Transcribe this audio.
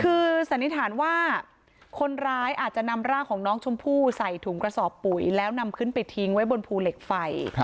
คือสันนิษฐานว่าคนร้ายอาจจะนำร่างของน้องชมพู่ใส่ถุงกระสอบปุ๋ยแล้วนำขึ้นไปทิ้งไว้บนภูเหล็กไฟ